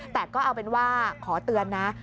แต่ก็เอาเป็นว่าขอเตือนนะ